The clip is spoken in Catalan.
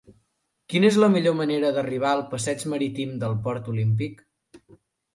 Quina és la millor manera d'arribar al passeig Marítim del Port Olímpic?